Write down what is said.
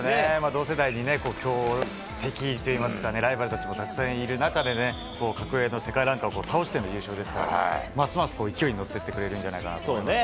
同世代にね、強敵といいますか、ライバルたちもたくさんいる中でね、格上の世界ランカーを倒しての優勝ですから、ますます勢いに乗ってくれるんじゃないかなと思いますね。